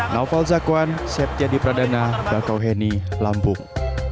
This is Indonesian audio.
naufal zakwan septiady pradana bakau hedi lampung